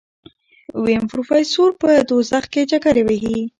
ويم پروفيسر په دوزخ کې چکرې وهي.